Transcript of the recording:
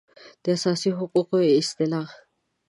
د اساسي حقوقو اصطلاح